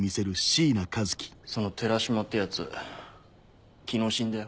その寺島ってヤツ昨日死んだよ。